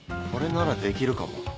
これならできるかも。